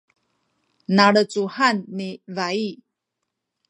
nalecuhan ni bayi